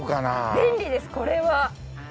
便利ですこれは。